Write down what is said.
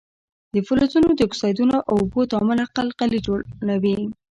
د فلزونو د اکسایدونو او اوبو تعامل القلي جوړوي.